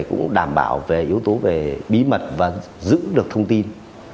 cũng đảm bảo về yếu tố về bí mật và giữ được thông tin